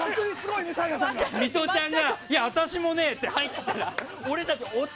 ミトちゃんが、私もねって入ってきたら俺たち、おっ？